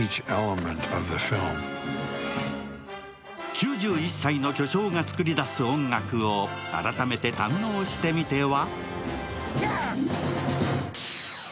９１歳の巨匠が作り出す音楽を改めて堪能してみては？